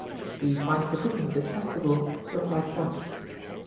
"He finds the cooking detestable," replied Porthos.